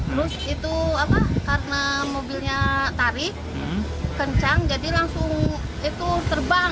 terus itu apa karena mobilnya tarik kencang jadi langsung itu terbang